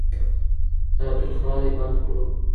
تاوتريخوالی بند کړو.